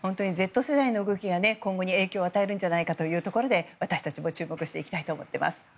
Ｚ世代の動きが今後に影響を与えるんじゃないかというところで私たちも注目していきたいと思っています。